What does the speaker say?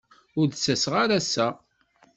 Ur d-ttaseɣ ara assa.